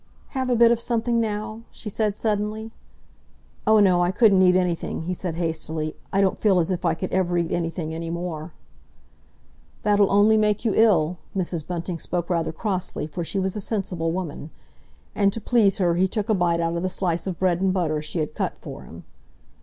"Have a bit of something now?" she said suddenly. "Oh, no, I couldn't eat anything," he said hastily. "I don't feel as if I could ever eat anything any more." "That'll only make you ill." Mrs. Bunting spoke rather crossly, for she was a sensible woman. And to please her he took a bite out of the slice of bread and butter she had cut for him.